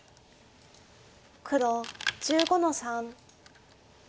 黒１５の三。